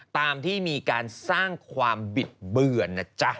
ตามที่มีการสร้างความบิดเบือนนะจ๊ะ